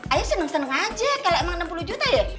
ayo seneng seneng aja kalau emang enam puluh juta ya